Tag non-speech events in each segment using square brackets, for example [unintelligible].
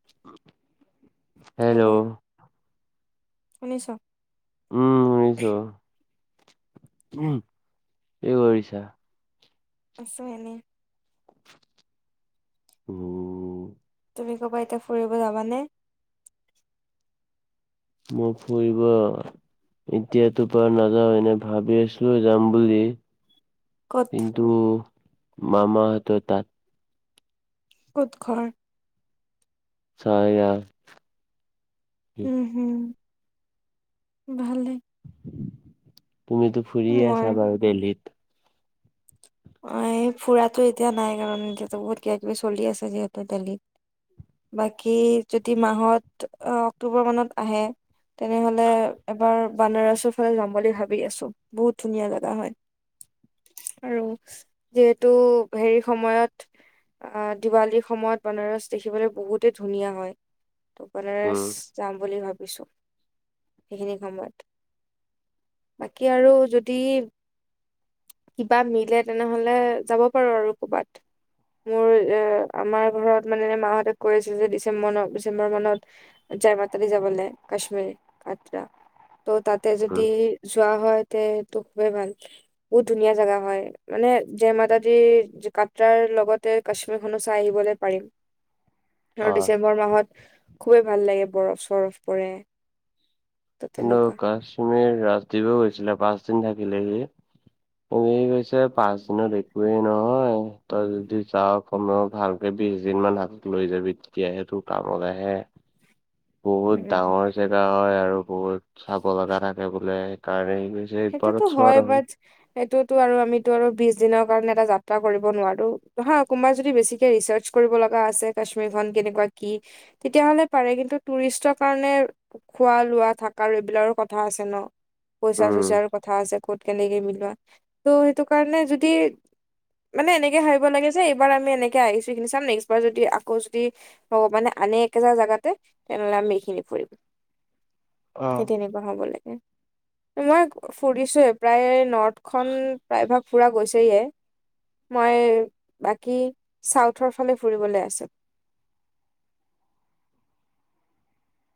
অ'। Hello শুনিছ। উম, শুনিছো উম কি কৰিছা। আছো এনে। উম। তুমি ক'বাত এতিয়া ফুৰিব যাবা নে। মই ফুৰিবো এতিয়া তোৰ পৰা নাযাওঁ এনে ভাবি আছিলোঁ যাম বুলি। ক'ত কিন্তু মামা হঁতৰ তাত। ক'ত ঘৰ? ছয়গাঁও। উম হম ভালে। তুমিতো ফুৰিয়ে মোৰ আছা বাৰু দিল্লীত। অ', এই ফুৰাতো এতিয়া নাই কাৰণ এতিয়াতো বহুত কিবা- কিবি চলি আছে যিহেতু দিল্লীত। বাকী যদি মাহঁত অক্টোবৰ মানত আহে তেনেহ'লে এবাৰ বানাৰসৰ ফালে যাম বুলি ভাবি আছোঁ বহুত ধুনীয়া জেগা হয় আৰু। যিহেতু হেৰি সময়ত। আ দিৱালীৰ সময়ত বানাৰস দেখিবলৈ বহুতে ধুনীয়া হয়। উম [unintelligible] যাম বুলি ভাবিছো সেইখিনি সময়ত বাকী আৰু যদি কিবা মিলে তেনেহলে যাব পাৰো আৰু ক'বাত মোৰ এ আমাৰ ঘৰত মানে মাহঁতে কৈ আছিলে যে ডিচেম্বৰ মানত ডিচেম্বৰ মানত জয় মাতাদি যাবৰলে কশ্মীৰ কাতৰা ত তাত তাতে যদি উম যোৱা হয় এইটো খুবেই ভাল বহুত ধুনীয়া জেগা হয়। মানে জয়মাতাদি কাট্ৰাৰ লগতে কাশ্মীৰখনো চাই আহিবলৈ পাৰিম। [inaudible] আৰু অ ডিচেম্বৰ মাহত খুবেই ভাল লাগে বৰফ চৰফ পৰে। ত' কিন্তু তেনেকুৱা। কাশ্মীৰ ৰাজদ্বীপো গৈছিলে পাঁচ দিন থাকিলেহি সি কৈছে পাঁচ দিনত একোৱেই নহয় তই যদি যাও সময় ভালকে বিশ দিন মান হাতত লৈ যাবি তেতিয়াহে তোৰ কামত আহে। উম, বহুত উম। ডাঙৰ জেগা হয় আৰু বহুত চাব লগা থাকে বোলে সেইকাৰণে সি কৈছে যে সেইটোতো পাৰত হয় চোৱাৰ নহল বাট সেইটোতো আৰু আমিতো আৰু বিশ দিনৰ কাৰণে এটা যাত্ৰা কৰিব নোৱাৰো নহ কোনোবা যদি বেছিকে ৰিচাৰ্চ কৰিব লগা আছে কাশ্মীৰ খন কেনেকুৱা কি তেতিয়াহ'লে পাৰে কিন্তু টুৰিষ্টৰ কাৰণে খোৱা লোৱা থাকা এইবিলাকৰ কথা আছে ন পইচা উম। চইচাৰ কথা আছে ক'ত কেনেকে মিলোৱা ত' সেইটো কাৰণে যদি মানে এনেকে ভাবিব লাগে যে এইবাৰ আমি এনেকে আহিছো এইখিনি চাম নেক্সবাৰ যদি আকৌ যদি ভগবানে আনে একেটাৰ জেগাতে তেনেহ'লে আমি এইখিনি ফুৰিম সেই অ'। তেনেকুৱা হ'ব লাগে। মই ফুৰিছোঁয়ে প্ৰায় নৰ্থখন প্ৰায়ভাগ ফুৰা গৈছেয়ে মই বাকী চাউথৰ ফালে ফুৰিবলে আছে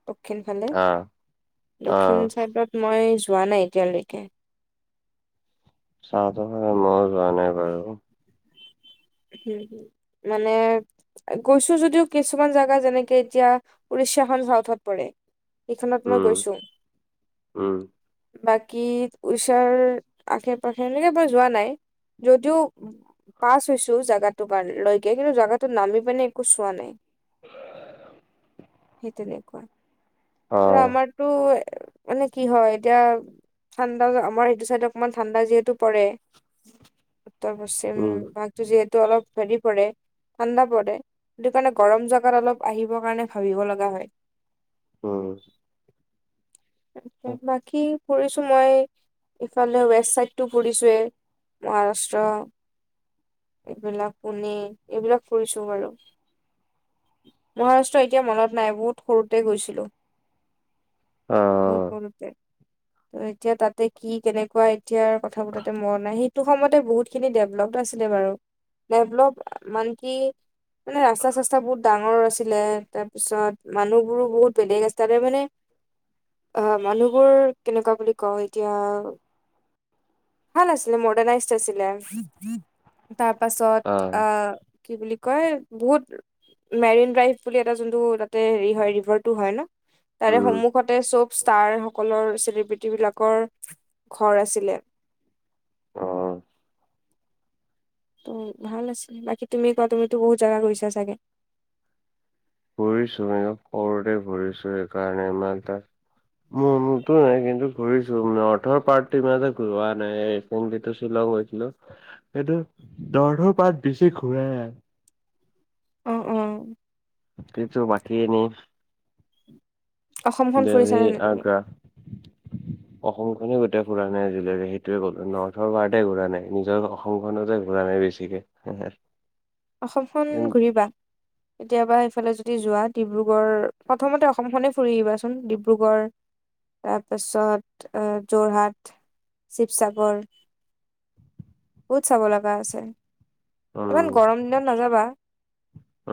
দক্ষিণ ফালে অ', দক্ষিণ অ', চাইডত মই যোৱা নাই এতিয়ালৈকে চাউথৰ ফালে মই যোৱা নাই বাৰু। হুম উম মানে গৈছো যদিও কিছুমান জেগা যেনেকে এতিয়া উৰিষ্যাখন চাউথত পৰে। সেইখনত মই উম, গৈছো। উম। বাকী উৰিষ্যাৰ আশে পাশে এনেকে বাৰু যোৱা নাই যদিও পাছ হৈছো জেগাটো কাৰ লৈকে কিন্তু জাগাটো নামি পিনে একো চোৱা নাই সেই তেনেকুৱা আৰু অ', আমাৰ টো মানে কি হয় এতিয়া ঠাণ্ডা আমাৰ সেইটো চাইদে অকমান ঠাণ্ডা যিহেতু পৰে উত্তৰ পশ্চিম উম, ভাগটো যিহেতু অলপ হেৰি পৰে ঠাণ্ডা পৰে সেইটো কাৰণে গৰম জেগাত অলপ আহিবৰ কাৰণে ভাবিব লগা হয় উম তাকে বাকী ফুৰিছোঁ মই ইফালে ৱেষ্ট চাইডটো ফুৰিছোঁয়েই মহাৰাষ্ট্ৰ এইবিলাক পোণে এইবিলাক ফুৰিছো বাৰু মহাৰাষ্ট্ৰ এতিয়া মনত নাই বহুত সৰুতে গৈছিলো অ বহুত সৰুতে ত এতিয়া তাতে কি কেনেকুৱা এতিয়াৰ কথাবোৰ তাতে মনত নাই সেই সেইটো সময়তে বহুতখিনি ডেভলপ্ড আছিলে বাৰু ডেভলপ্ড মান কি মানে ৰাস্তা চাস্তা বহুত ডাঙৰ আছিল আছিলে। তাৰ পিছত মানুহবোৰো বহুত বেলেগ ইষ্টাইলৰ মানে অ! মানুহবোৰ কেনেকুৱা বুলি কওঁ এতিয়া? ভাল আছিলে, মডাৰণাইজ আছিলে। তাৰ পাছত অ', আহ কি বুলি কয় বহুত মেৰিন ড্ৰাইভ বুলি এটা যোনটো তাতে হেৰি হয় ৰিভাৰটো হয় ন। তাৰে উম, সন্মুখত তাতে চব ষ্টাৰসকলৰ, চেলিব্ৰিট বিলাকৰ ঘৰ আছিলে। অঁ। অঁ ভাল আছিলে। বাকী তুমি কোৱা? তুমিতো বহুত জেগা ঘূৰিছা চাগে?? ঘূৰিছোঁ সৰুতে ঘূৰিছোঁ সেইকাৰণে ইমান এটা মোৰ মতো নাই কিন্তু ঘূৰিছো মানে [unintelligible] ঘূৰোৱা নাই। [unintelligible] শ্বিলং গৈছিলোঁ। সেইটো দৰ্ধ পাত বেছি ঘূৰাই নাই। অঁ-অঁ। কিন্তু বাকী এনেই অসমখন দিল্লী, ফুৰিছানে নাই আগ্ৰা [inaudible] অসমখনেই গোটেই ঘূৰা নাই আজিলৈকে সেইটোৱে ক'লো নৰ্থৰ পাৰ্তে ঘূৰা নাই। নিজৰ অসমখনতে ঘূৰা নাই বেছিকে। অসমখন ঘূৰিবা। কেতিয়াবা সেইফালে যদি যোৱা ডিব্ৰুগড়, প্ৰথমতে অসমখনে ফুৰি লোৱা চোন। ডিব্ৰুগড় তাৰপাছত অ যোৰহাট, শিৱসাগৰ। বহুত চাব লগা আছে। ইমান উম। গৰম দিনত নাযাবা।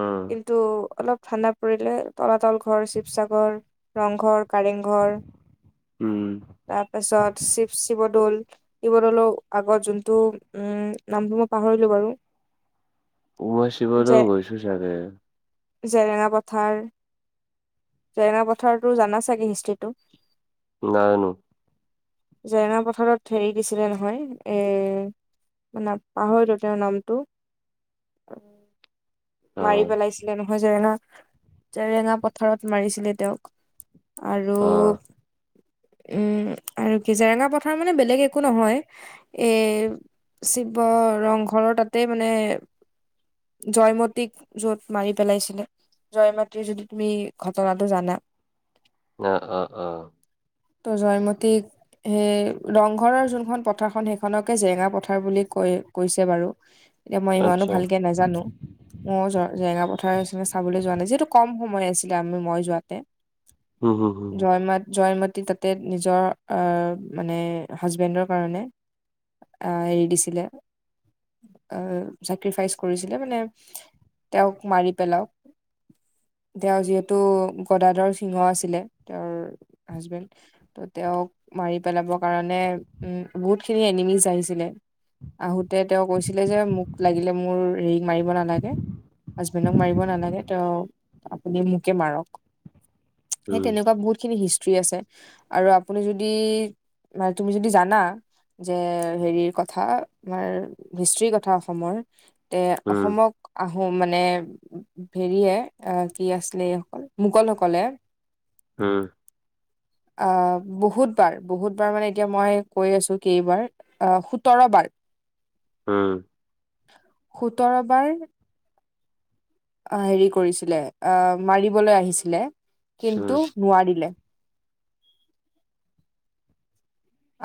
উম। টো অলপ ঠাণ্ডা পৰিলে তলাতল ঘৰ, শিৱসাগৰ, ৰংঘৰ কাৰেংঘৰ উম, উম, উম, তাৰপাছত শিৱ শিৱদৌল। শিৱদৌলৰ আগত যোনটো উম নামসমূহ পাহৰিলোঁ বাৰু। উম, মই যে শিৱদৌল গৈছোঁ চাগে। জেৰেঙা পথাৰ। জেৰেঙা পথাৰতো জানা চাগে হিষ্ট্ৰীটো? নাই নো জেৰেঙা পথাৰত হেৰি দিছিলে নহয় এ মানে পাহৰিলোঁ তেওঁৰ নামটো। [inaudible] মাৰি অ', পেলাইছিলে নহয় জেৰেঙা জেৰেঙা পথাৰত মাৰিছিলে তেওঁক। আৰু অ', উম! আৰু কি জেৰেঙা পথাৰ মানে বেলেগ একো নহয়। এই শিৱ ৰংঘৰৰ তাতে মানে জয়মত তীক য'ত মাৰি পেলাইছিলে। জয়মতীৰ যদি তুমি ঘটনাটো জানা। অঁ-অঁ-অঁ। ত জয়মতীক সেই ৰংঘৰৰ যোনখন পথাৰখন সেইখনকে জেৰেঙা পথাৰ বুলি কৈ কৈছে বাৰু। এতিয়া মই ইমানো আচ্ছা ভালকে নাজানো। মইও জেৰেঙা পথাৰে চাবলৈ যোৱা নাই। যিহেতু কম সময় আছিলে আমি, মই যোৱাতে। উম, হম, হম, জয়মত জয়মতী তাত তে নিজৰ মানে হাজবেণ্ডৰ কাৰণে। আহ এৰি দিছিলে, চেক্ৰিফাইচ কৰিছিলে মানে। তেওঁক মাৰি পেলাওক। তেওঁ যিহেতু গদাধৰ সিংহ আছিলে, তেওঁৰ হাজবেণ্ড। তেওঁক মাৰি পেলাবৰ কাৰণে উম বহুত খিনি এনিমিজ আহিছিলে। আহোতে তেওঁ কৈছিলে যে, মোক লাগিলে মোৰ ৰি মাৰিব নালা। লাগে হাজবেণ্ডক মাৰিব নালাগে, তেঁও আপুনি মোকে মাৰক। সেই উম, তেনেকুৱা বহুত খিনি হিষ্ট্ৰ্ৰী আছে। আৰু আপুনি যদি, মানে তুমি যদি জানা? যে হেৰিৰ কথা আমাৰ হিষ্ট্ৰীৰ কথা অসমৰ তেন্তে উম, অসমক। আহোম মানে। হেৰিয়ে, আহ কি আছিলে এইসকল মোগল সকলে। উম, আহ' বহুতবাৰ, বহুতবাৰ মানে এতিয়া মই কৈ আছো কেইবাৰ। আহ, সোতৰবাৰ। উম' সোতৰবাৰ। আ হেৰি কৰিছিলে, আহ মাৰিবলৈ আহিছিলে কিন্তু নোৱাৰিলে।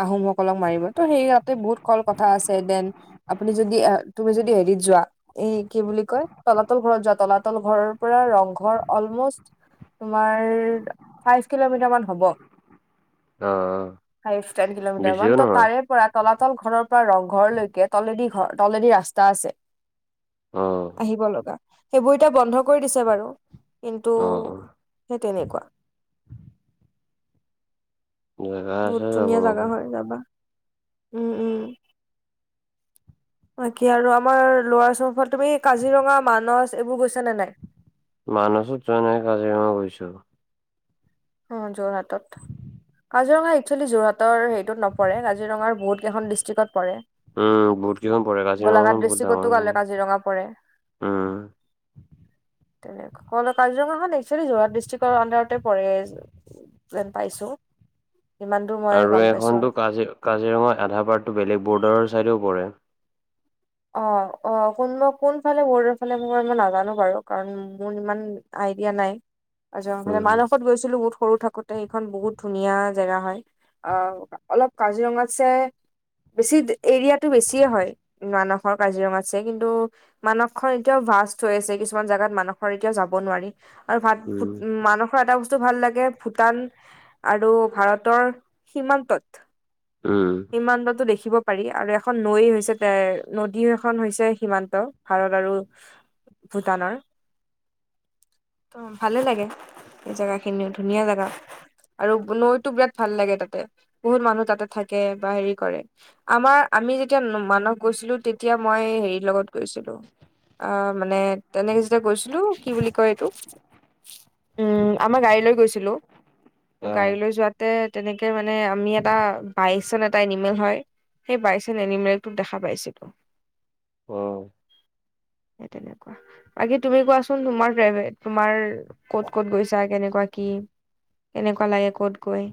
আহোমসকলক মাৰিব ত' সেই ইয়াতে বহুত কল কথা আছে দেন। আপুনি যদি এ তুমি যদি হেৰিত যোৱা। এ কি বুলি কয়, তলাতল ঘৰত যোৱা তলাতল ঘৰৰ পৰা ৰং। ঘৰ অলমোষ্ট তোমাৰ ফাইভ কিলোমিটাৰ মান হ'ব। অ' ফাইভ-টেন কিলোমিটাৰ বেছিও মান ত নহয় তাৰে। পৰা তলাতল ঘৰৰ পৰা ৰংঘৰলৈকে তলেদি ঘৰ তলেদি ৰাস্তা আছে। অ', আহিব লগা, সেইবোৰ এতিয়া বন্ধ। কৰি দিছে বাৰু কিন্তু অ', অ'। সেই তেনেকুৱা। জেগা বহুত আছে যাব ধুনীয়া জাগা লগা হয় যাবা, উম উম' বাকি আৰু আমাৰ ল'ৱাৰ আচামৰ ফাল তুমি কাজিৰঙা মানচ এইবোৰ গৈছা নে নাই? মানসত যোৱা নাই, কাজিৰঙা গৈছো। অ' যোৰহাটত। কাজিৰঙা একচুৱেলি যোৰহাটৰ হেৰিটোত নপৰে, কাজিৰঙাৰ বহুত কেইখন ডিষ্ট্ৰিকত পৰে। উম' বহুত কেইখনত পৰে, গোলাঘাট কাজিৰঙাখন বহুত ডিষ্ট্ৰিক্টতো ডাঙৰ কালে কাজিৰঙা পৰে ন। উম' তেনেকুৱা কাজিৰঙাখন এক্চুৱেলি যোৰহাট ডিষ্ট্ৰিকৰ আণ্ডাৰতে পৰে। যেন পাইছো। যিমান দূৰ মই আৰু গম পাইছো এইখনতো আৰু কাজি কাজিৰঙাৰ আধা পাৰ্ডটো বেলেগ বৰ্ডাৰৰ ছাইডেও পৰে। অ' অ' কোন মই কোনফালে বৰ্ডৰ ফালে পৰে মই নাজানো বাৰু কাৰণ মোৰ ইমান আইডিয়া নাই। কাজিৰঙাৰ ফালে উম মানসত গৈছিলো বহুত সৰু থাকোতে সেইখন বহুত ধুনীয়া জেগা হয়। অ অলপ কাজিৰঙাতছে বেছি এৰিয়াটো বেছিয়ে হয়। মানসৰ কাজিৰঙাত ছে কিন্তু। মানসখন এতিয়াও ভাষ্ট হৈ আছে কিছুমান জাগাত মানসৰ এতিয়া যাব নোৱাৰি। আৰু ভাত উম [unintelligible] মানুহ। এটা বস্তু ভাল লাগে ভূটান আৰু ভাৰতৰ সীমান্তত। উম' সীমান্তটো দেখিব পাৰি আৰু এখন নৈ হৈছে। এ নদী এখন হৈছে সীমান্ত ভাৰত আৰু ভূটানৰ উম ভালে লাগে এই জাগাখিনিও ধুনীয়া জাগা। আৰু নৈতো বিৰাট ভাল লাগে তাতে বহুত মানুহ তাতে থাকে বা হেৰি কৰে। আমাৰ আমি যেতিয়া মানস গৈছিলো তেতিয়া মই হেৰিৰ লগত গৈছিলো আহ মানে তেনেকে যেতিয়া গৈছিলো কি বুলি কয় এইটো উম আমাৰ গাড়ী লৈ গৈছিলো অ গাড়ী লৈ যোৱা তে তেনেকে মানে আমি এটা বাইশজন এটা এনিমেল হয় সেই বাইশজন এনিমেলটো দেখা পাইছিলো অ সেই তেনেকোৱা বাকী তুমি কোৱাচোন তোমাৰ প্ৰাইভট তোমাৰ ক'ত ক'ত গৈছা কেনেকোৱা কি কেনেকোৱা লাগে কত গৈ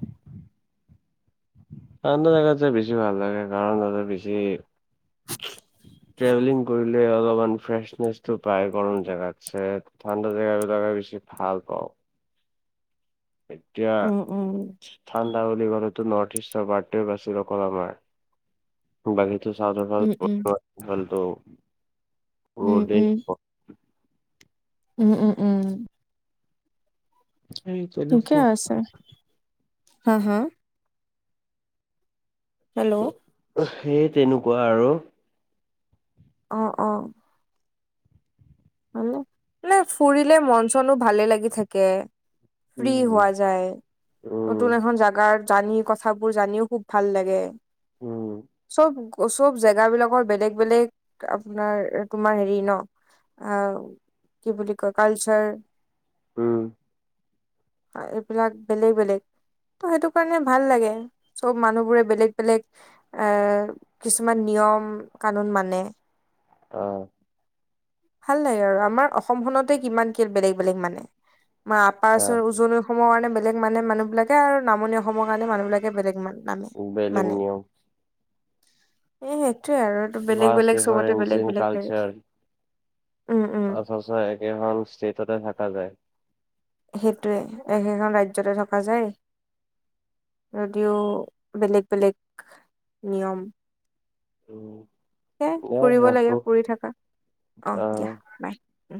ঠাণ্ডা জাগাত যাই বেছি ভাল লাগে কাৰণ তাতে বেছি [unintelligible] ট্ৰেভেলিং কৰিলে অলপমান ফ্ৰেচনেছটো পায় বাৰু গৰম জেগাত চাই ঠাণ্ডা জেগাবিলাকে বেছি ভাল পাও। এতিয়া উম উম ঠাণ্ডা বুলি ক'লেতো নৰ্থ ইষ্টৰ বাৰ্তেও বাছিল অকল আমাৰ। বাকীতো চাউথৰ উম ফালো সেইফালেতো উম উম ৰ'দে উম উম, উম, উম। সেইটোৱে ঠিকে আছে হা, হা। হেল্ল সেই তেনেকোৱা আৰু। অ, অ। হয়নে, নাই ফুৰিলে মন চনো ভালে লাগি থাকে। ফ্ৰী হোৱা উম যায়, উম নতুন এখন জাগাৰ জানি কথাবোৰ জানিও খুব ভাল লাগে চব চব জেগাবিলাকৰ বেলেগ-বেলেগ আপোনাৰ তোমাৰ হেৰি ন। অ কি বুলি কয় কালচাৰ উম। অ এইবিলাক বেলেগ, বেলেগ। ত, সেইটো কাৰণে ভাল লাগে চব মানুহবোৰে বেলেগ -বেলেগ এ কিছুমান নিয়ম, কানুন মানে। অ'। ভাল লাগে আৰু আমাৰ অসমখনতে কিমান কি বেলেগ-বেলেগ মানে আমাৰ আপাৰ আচাম উজনি অসমৰ কাৰণে বেলেগ মানে মানুহবিলাকে আৰু নামনি অসমৰ কাৰণে মানুহ বিলাকে বেলেগ মানে। নামে, বেলেগ মানে নিয়ম এ সেইটোৱে আৰু। বেলেগ ভাষ্ট -বেলেগ চবতে ডিফাৰেন্স বেলেগ- ইন বেলেগ হেৰি। উম, উম। আ সঁচাই একেখন ষ্টেটতে থাকা যায়। সেইটোৱে একেখন ৰাজ্যতে থকা যায়। যদিও বেলেগ- বেলেগ নিয়ম। সেয়াই মই ফুৰিব লাগে ৰাখো ফুৰি থাকা অ দিয়া অহ। বাই